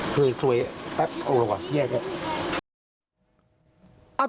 คือสวยแป๊บเอาละก่อนเหี้ย